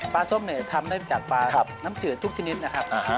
ส้มเนี่ยทำได้จากปลาน้ำจืดทุกชนิดนะครับ